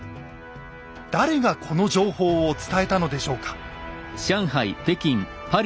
誰がこの情報を伝えたのでしょうか。